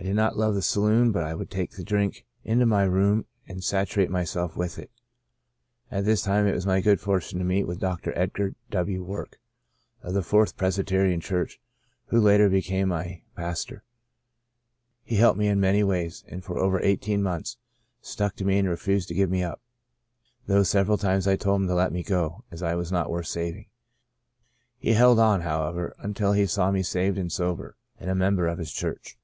I did not love the saloon but I would take the drink 112 The Portion of Manasseh into my room and saturate myself with it At this time it was my good fortune to meet with Dr. Edgar W. Work, of the Fourth Presbyterian Church, who later became my pastor. He helped me in many ways and for over eighteen months stuck to me and refused to give me up, though several times I told him to let me go as I was not worth saving. He held on, however, until he saw me saved and sober, and a member of his church.